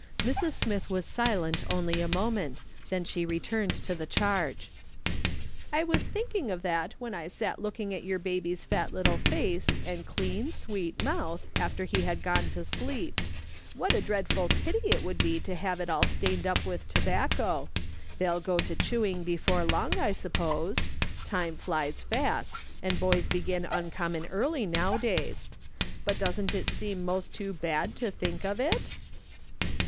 Mrs. Smith was silent only a moment, then she returned to the charge. " I was thinking of that when I sat looking at your baby's fat little face and clean, sweet mouth, after he had gone to sleep ; what a dreadful pity it would be to have it all stained up with tobacco. They'll go to chewing before long, I suppose ; time flies fast, and boys begin uncommon early now days; but doesn't it seem most too bad to think of it